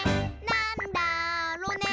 なんだろね。